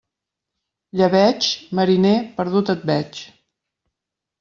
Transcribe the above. Llebeig?, mariner, perdut et veig.